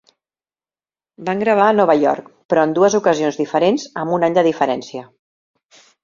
Van gravar a Nova York, però en dues ocasions diferents, amb un any de diferència.